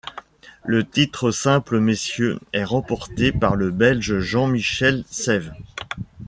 Le titre simple messieurs est remporté par le belge Jean-Michel Saive.